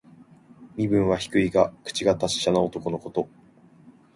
身分は低いが、口が達者な男のこと。